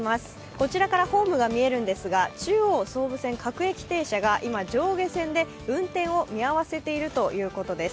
こちらからホームが見えるんですが中央、総武線、各駅停車が今、運転を見合わせているということです。